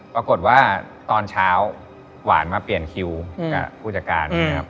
ปรากฏว่าตอนเช้าหวานมาเปลี่ยนคิวกับผู้จักร